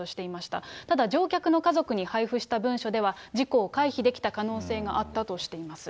ただ、乗客の家族に配布した文書では、事故を回避できた可能性があったとしています。